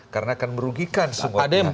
karena akan merugikan semua pihak